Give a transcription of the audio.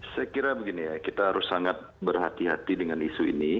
saya kira begini ya kita harus sangat berhati hati dengan isu ini